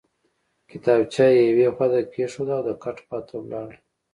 کتابچه یې یوې خواته کېښوده او د کټ خواته لاړ